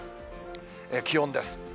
気温です。